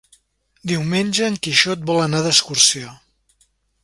Diumenge en Quixot vol anar d'excursió.